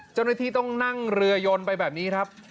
เจ้าหน้าที่ต้องนั่งเรือยนไปแบบนี้ครับ